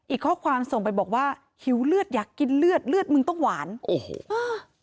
อีกข้อความส่งไปบอกว่าหิวเลือดอยากกินเลือดเลือดมึงต้องหวานโอ้โหอ่า